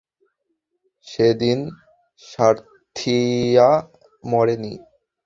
সেদিন সাথ্যীয়া মরেনি।